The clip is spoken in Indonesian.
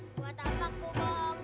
buat apa aku bohong